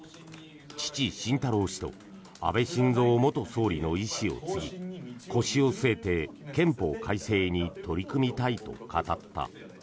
父・慎太郎氏と安倍晋三元総理の遺志を継ぎ腰を据えて憲法改正に取り組みたいと語った。